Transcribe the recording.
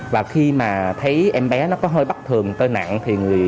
và khi mà thấy em bé nó có hơi bắt thường tơi nặng